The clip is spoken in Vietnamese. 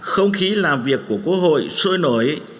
không khí làm việc của quốc hội sôi nổi